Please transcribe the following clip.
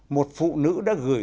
một phụ nữ đã gửi